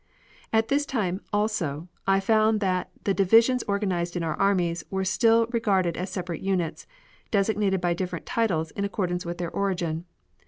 At this time, also, I found that the divisions organized in our armies were still regarded as separate units, designated by different titles in accordance with their origin.